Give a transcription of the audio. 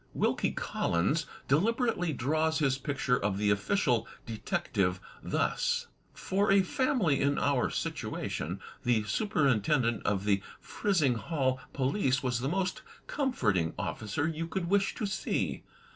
Wilkie Collins deliberately draws his picture of the official detective thus: 156 THE TECHNIQUE OF THE MYSTERY STORY For a family in our situation, the Superintendent of the Frizing hall police was the most comforting officer you could wish to see.